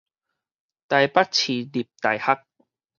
臺北市立大學